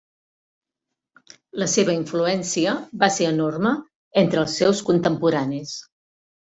La seva influència va ser enorme entre els seus contemporanis.